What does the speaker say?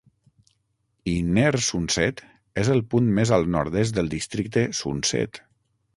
Inner Sunset és el punt més al nord-est del districte Sunset.